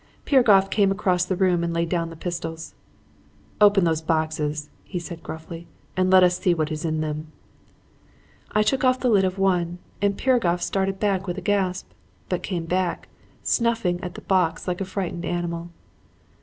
"Piragoff came across the room and laid down the pistols. "'Open those boxes,' he said gruffly, 'and let us see what is in them.' "I took off the lid of one; and Piragoff started back with a gasp, but came back, snuffing at the box like a frightened animal.